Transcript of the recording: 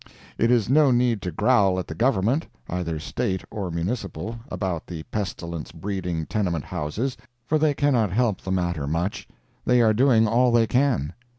It is no need to growl at the Government, either State or municipal, about the pestilence breeding tenement houses, for they cannot help the matter much. They are doing all they can.